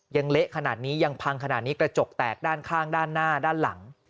เละขนาดนี้ยังพังขนาดนี้กระจกแตกด้านข้างด้านหน้าด้านหลัง